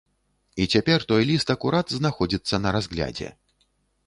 І цяпер той ліст акурат знаходзіцца на разглядзе.